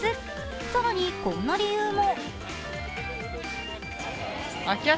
更にこんな理由も。